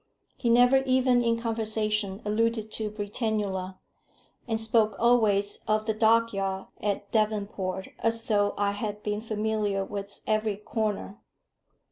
He never even in conversation alluded to Britannula, and spoke always of the dockyard at Devonport as though I had been familiar with its every corner.